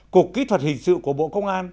cục kỹ thuật hình sự của bộ công an